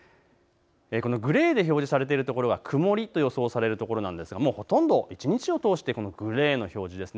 グレーで表示されているところは曇りと予想されるとこなんですけれども、ほとんど一日を通してグレーの表示です。